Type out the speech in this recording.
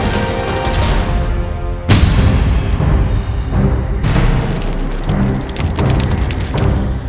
sekarang kamu harus menderita